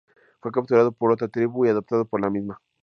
Fue capturado por otra tribu y adoptado por la misma.